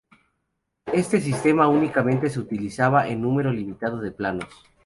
Este sistema únicamente se utilizaba en un número limitado de planos.